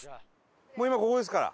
もう今ここですから。